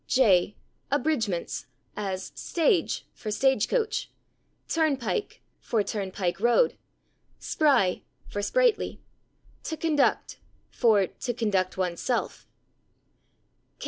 j. Abridgments, as /stage/ (for /stage coach/), /turnpike/ (for /turnpike road/), /spry/ (for /sprightly/), /to conduct/ (for /to conduct one's self